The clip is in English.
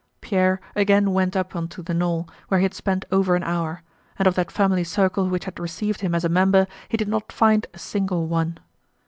Pierre again went up onto the knoll where he had spent over an hour, and of that family circle which had received him as a member he did not find a single one.